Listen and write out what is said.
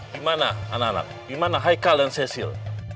dimana anak anak dimana haikal dan cecil